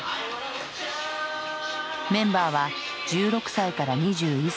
メンバーは１６歳から２１歳の９人。